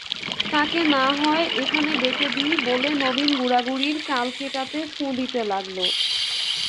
তাঁকে না-হয় এখানে ডেকে দিই বলে নবীন গুড়গুড়ির কলকেটাতে ফুঁ দিতে লাগল।